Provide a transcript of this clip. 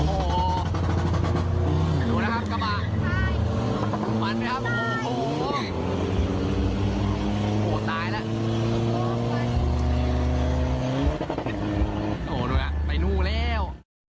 โห้ดูน่ะไปนู่แล้ว